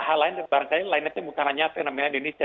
hal lain barangkali lanina itu bukan hanya fenomena di indonesia